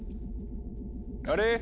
あれ？